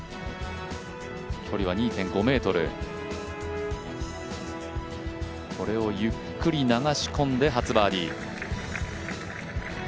距離は２．５ｍ、これをゆっくり流し込んで初バーディー。